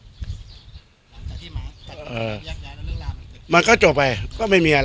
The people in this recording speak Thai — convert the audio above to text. ตอนแตบม้ากัดคุณนุ่นยังยั้งมันหนึ่งล่ามันหยุด